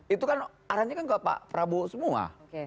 itu kan arahnya kan ke pak prabowo semua